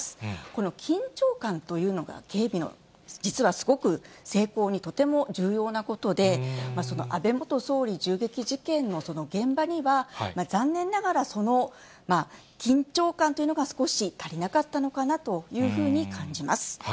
この緊張感というのが、警備の、実はすごく成功にとても重要なことで、安倍元総理銃撃事件の現場には、残念ながらその緊張感というのが少し足りなかったのかなというふうに感じます。